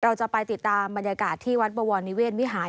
เราจะไปติดตามบรรยากาศที่วัดบวรนิเวศวิหาร